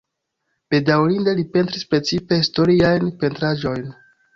Baldaŭe li pentris precipe historiajn pentraĵojn.